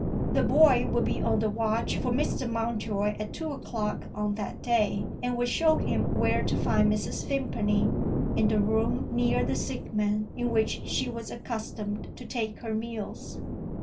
The boy would be on the watch for Mr. Mountjoy at two o'clock on that day, and would show him where to find Mrs. Vimpany, in the room near the sick man, in which she was accustomed to take her meals.